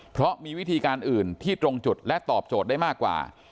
เพราะมีวิธีการอื่นที่ตรงจุดและตอบโจทย์ได้มากกว่า